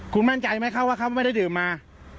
คุณมั่นใจไหมครับว่าเขาไม่ได้ดื่มมา